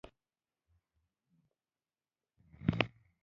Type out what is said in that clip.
او پۀ ادبې معيارونو پوره نۀ دی